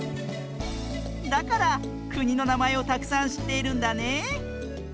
だからくにのなまえをたくさんしっているんだね！